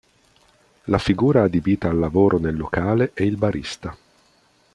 La figura adibita al lavoro nel locale è il barista.